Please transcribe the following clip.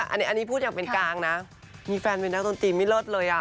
อันนี้พูดอย่างเป็นกลางนะมีแฟนเป็นนักดนตรีไม่เลิศเลย